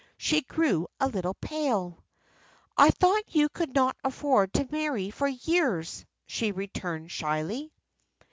She grew a little pale. "I thought you could not afford to marry for years," she returned, shyly.